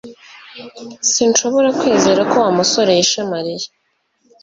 Sinshobora kwizera ko Wa musore yishe Mariya